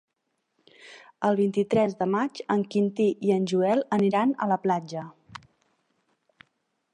El vint-i-tres de maig en Quintí i en Joel aniran a la platja.